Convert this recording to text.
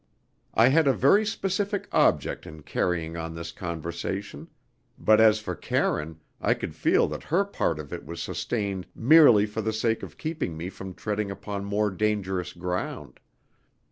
I had a very specific object in carrying on this conversation; but as for Karine, I could feel that her part of it was sustained merely for the sake of keeping me from treading upon more dangerous ground.